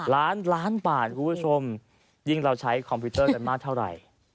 ล้านล้านบาทคุณผู้ชมยิ่งเราใช้คอมพิวเตอร์กันมากเท่าไหร่